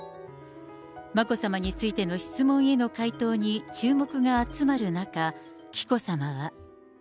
眞子さまについての質問への回答に注目が集まる中、紀子さまは。